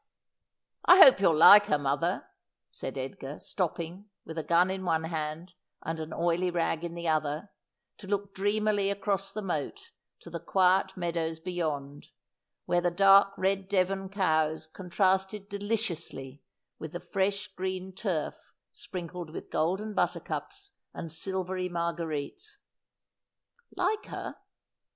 135 ' I hope you'll like her, mother,' said Edgar, stopping, with a gun in one hand and an oily rag in the other, to look dreamily across the moat to the quiet meadows beyond, where the dark red Devon cows contrasted deliciously with the fresh green turf sprinkled with golden buttercups and silvery marguerites. 'Like her!'